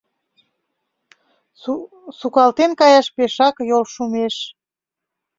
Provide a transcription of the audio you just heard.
Сукалтен каяш пешак йол шумеш.